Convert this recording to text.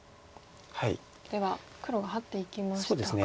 では黒がハッていきましたが。